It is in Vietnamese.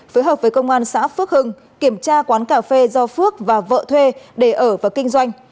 phối hợp với công an xã phước hưng kiểm tra quán cà phê do phước và vợ thuê để ở và kinh doanh